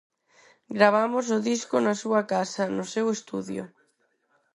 Gravamos o disco na súa casa, no seu estudio.